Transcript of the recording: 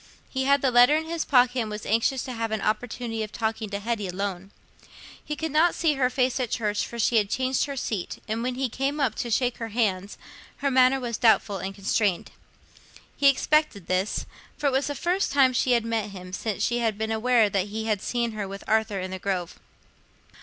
He had the letter in his pocket, and was anxious to have an opportunity of talking to Hetty alone. He could not see her face at church, for she had changed her seat, and when he came up to her to shake hands, her manner was doubtful and constrained. He expected this, for it was the first time she had met him since she had been aware that he had seen her with Arthur in the Grove.